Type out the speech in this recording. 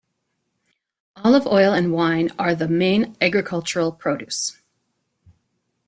Olive oil and wine are the main agricultural produce.